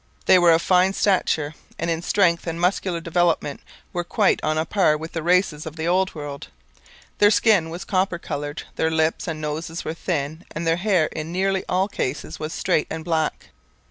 They were of fine stature, and in strength and muscular development were quite on a par with the races of the Old World. Their skin was copper coloured, their lips and noses were thin, and their hair in nearly all cases was straight and black.